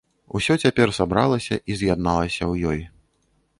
Усё цяпер сабралася і з'ядналася ў ёй.